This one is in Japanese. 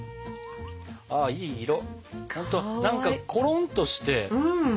いい色何かコロンとして。